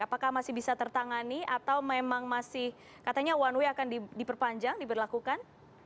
apakah masih bisa tertangani atau memang masih katanya one way akan diperpanjang diberlakukan